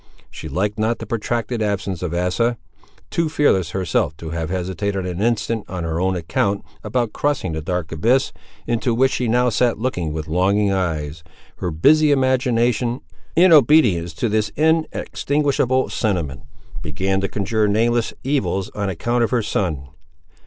She liked not the protracted absence of Asa. Too fearless herself to have hesitated an instant on her own account about crossing the dark abyss, into which she now sat looking with longing eyes, her busy imagination, in obedience to this inextinguishable sentiment, began to conjure nameless evils on account of her son.